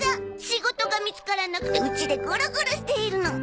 仕事が見つからなくてうちでゴロゴロしているの。